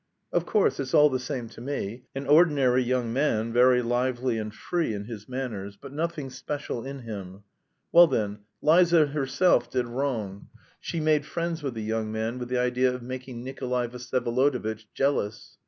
Of course, it's all the same to me. An ordinary young man, very lively and free in his manners, but nothing special in him. Well, then, Liza herself did wrong, she made friends with the young man with the idea of making Nikolay Vsyevolodovitch jealous.